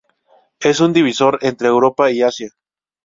Es un divisor entre Europa y Asia.